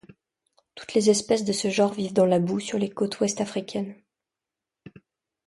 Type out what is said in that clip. Toutes les espèces de ce genre vivent dans la boue sur les côtes ouest-africaines.